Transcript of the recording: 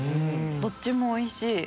どっちもおいしい！